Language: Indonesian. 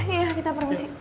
iya kita permisi